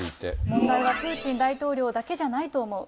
問題はプーチン大統領だけじゃないと思う。